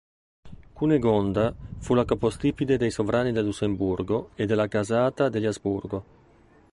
Cunegonda fu la capostipite dei sovrani del Lussemburgo e della casata degli Asburgo.